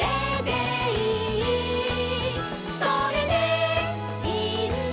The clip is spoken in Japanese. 「それでいいんだ」